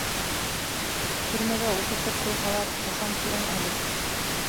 Төрмәгә ултыртып ҡуйһалар, ҡасан күрәм әле.